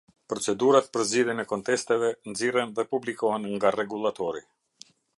Procedurat për zgjidhjen e kontesteve, nxirren dhe publikohen nga Rregullatori.